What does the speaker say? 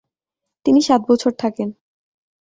তিনি সাত বছর থাকেন।